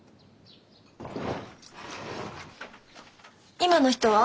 今の人は？